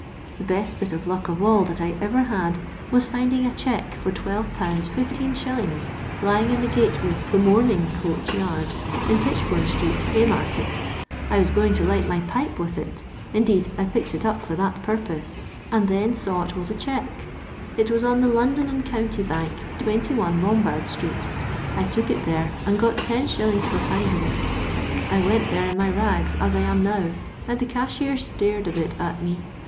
The best bit of luck of all that I ever had was finding a cheque for 12/. 16#. lying in the gateway of the mouming<oach yard in Titchbome street, Hay market I was going to light my pipe with it, indeed I picked it up for that purpose, and then saw it was a cheque. It was on the London and County Bank, 21, Lombard sUeet I took it there, and got lOs. for finding it. I went there in my rags, as I am now, and the cashier stared a bit at me.